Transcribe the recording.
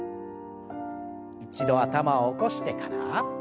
一度頭を起こしてから。